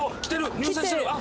入線してる！